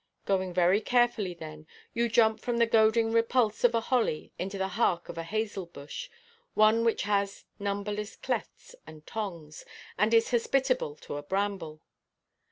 Going very carefully then you jump from the goading repulse of a holly into the heart of a hazel–bush—one which has numberless clefts and tongs, and is hospitable to a bramble.